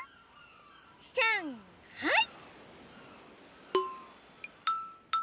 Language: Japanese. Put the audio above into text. さんはい！